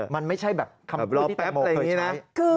มันไม่ใช่แบบคำพูดที่แพ็บอะไรอย่างนี้นะ